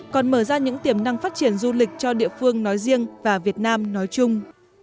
còn mở ra những tiềm năng phát triển du lịch cho địa phương nói riêng và việt nam nói chung